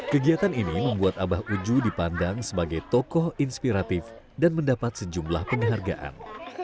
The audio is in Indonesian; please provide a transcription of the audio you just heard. kegiatan ini membuat abah uju dipandang sebagai tokoh inspiratif dan mendapat sejumlah penghargaan